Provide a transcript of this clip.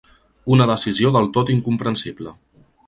Una decisió del tot incomprensible.